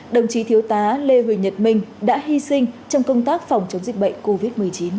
đồng chí thiếu tá lê huỳnh nhật minh đã hy sinh trong công tác phòng chống dịch bệnh covid một mươi chín